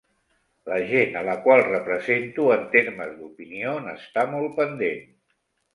La gent a la qual represento en termes d'opinió n'està molt pendent.